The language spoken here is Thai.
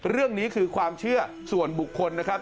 เรื่องนี้คือความเชื่อส่วนบุคคลนะครับ